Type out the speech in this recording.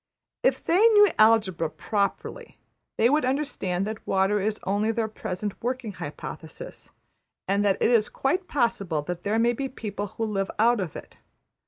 If they knew algebra properly, they would understand that water is only their present working hypothesis, and that it is quite possible there may be people who live out of it.